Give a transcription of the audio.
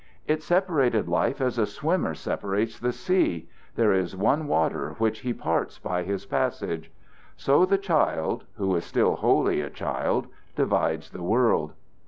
It separated life as a swimmer separates the sea: there is one water which he parts by his passage. So the child, who is still wholly a child, divides the world.